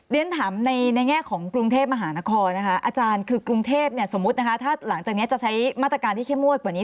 เรียนถามในแง่ของกรุงเทพมหานครนะคะอาจารย์คือกรุงเทพเนี่ยสมมุตินะคะถ้าหลังจากนี้จะใช้มาตรการที่เข้มงวดกว่านี้